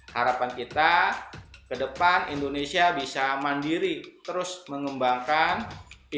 harapan kita ke depan indonesia bisa mandiri terus mengembangkan investasi